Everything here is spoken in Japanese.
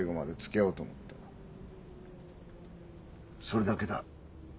それだけだ。